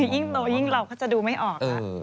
ยิ่งโดยยิ่งหลอกเขาจะดูไม่ออก